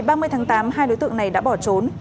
ngày ba mươi tháng tám hai đối tượng này đã bỏ trốn